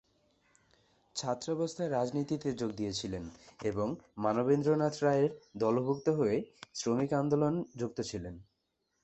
ছাত্রাবস্থায় রাজনীতিতে যোগ দিয়েছিলেন এবং মানবেন্দ্রনাথ রায়ের দলভুক্ত হয়ে শ্রমিক আন্দোলন যুক্ত ছিলেন।